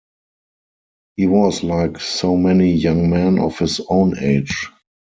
He was like so many young men of his own age.